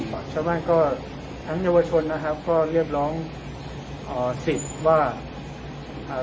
ชาวบ้านก็ทั้งเยาวชนนะครับก็เรียกร้องอ่าสิทธิ์ว่าอ่า